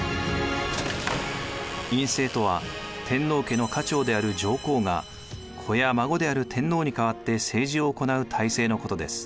院政とは天皇家の家長である上皇が子や孫である天皇に代わって政治を行う体制のことです。